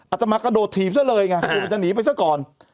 อัตมาก็โดดถีบซะเลยไงอัตมาจะหนีไปซะก่อน